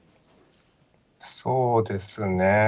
そうですね。